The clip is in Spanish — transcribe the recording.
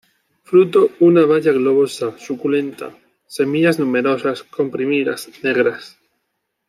Fruto una baya globosa, suculenta; semillas numerosas, comprimidas, negras.